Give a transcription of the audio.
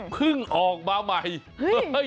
เพิ่งออกมาใหม่